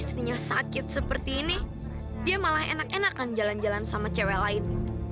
istrinya sakit seperti ini dia malah enak enakan jalan jalan sama cewek lain